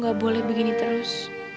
gak boleh begini terus